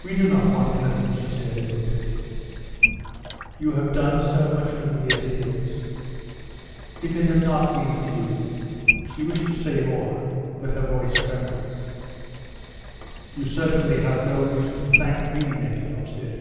"We do not want anything," she said, and looked at him. "You have done so much for me as it is. If it had not been for you " She wished to say more, but her voice trembled. "You certainly have no reason to thank me," Nekhludoff said.